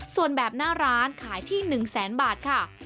ส่วนแบบหน้าร้านขายที่๑แสนบาทค่ะ